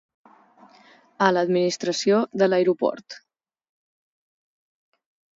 A l’administració de l’aeroport.